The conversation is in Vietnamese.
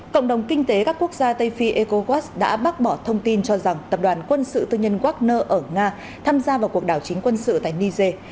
cộng đồng kinh tế các quốc gia tây phi ecowas đã bác bỏ thông tin cho rằng tập đoàn quân sự tư nhân wagner ở nga tham gia vào cuộc đảo chính quân sự tại niger